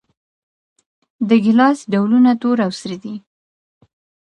د ګیلاس ډولونه تور او سره دي.